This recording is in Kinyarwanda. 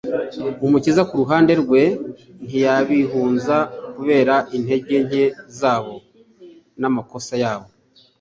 Umukiza ku ruhande rwe ntiyabihunza kubera intege nke zabo n'amakosa yabo.